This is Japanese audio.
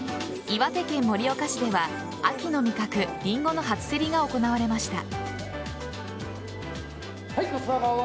岩手県盛岡市では秋の味覚・リンゴの初競りが行われました。